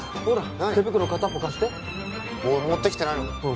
ほら手袋片っぽ貸して持ってきてないのか？